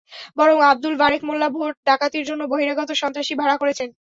বরং আবদুল বারেক মোল্লা ভোট ডাকাতির জন্য বহিরাগত সন্ত্রাসী ভাড়া করেছেন।